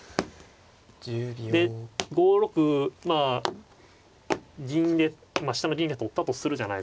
で５六まあ銀で下の銀で取ったとするじゃないですか。